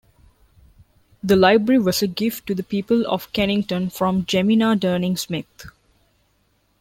The library was a gift to the people of Kennington from Jemina Durning Smith.